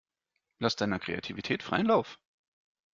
Lass deiner Kreativität freien Lauf.